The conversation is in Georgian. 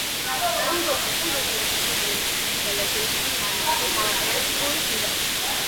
კუნძულთან დაკავშირებული მახასიათებლები, ძირითადად ნამარხები გამოფენილია ფურის მუზეუმში.